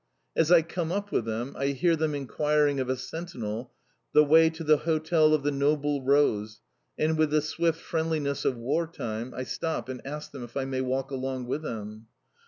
As I come up with them I hear them enquiring of a sentinel the way to the Hotel de Noble Rose, and with the swift friendliness of War time I stop and ask if I may walk along with them.